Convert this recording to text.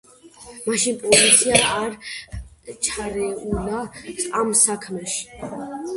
მაშინ პოლიცია არ ჩარეულა ამ საქმეში.